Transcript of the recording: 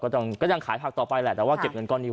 ก็ต้องอยากขายผักต่อไปแหละนะว่าเก็บเงินก้อนนี้